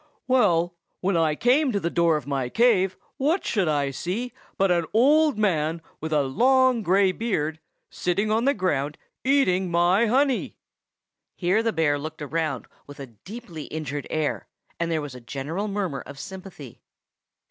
"Well, when I came to the door of my cave, what should I see but an old man with a long gray beard, sitting on the ground eating my honey!" Here the bear looked around with a deeply injured air, and there was a general murmur of sympathy.